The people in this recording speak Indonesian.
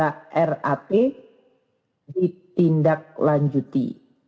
saudara rat ditindak lanjuti